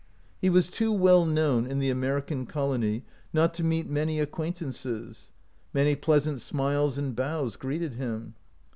He was too well known in the American colony not to meet many acquaintances. Many pleasant smiles and bows greeted him.